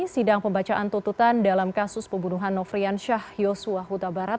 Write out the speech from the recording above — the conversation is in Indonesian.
sidang pembacaan tuntutan dalam kasus pembunuhan nofrian syah yosua huta barat